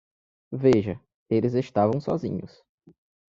Veja, eles estavam sozinhos.